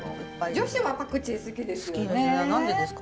女子はパクチー好きですよね。